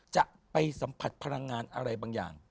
จะไปสัมผัสพลังงานอะไรบางอย่าง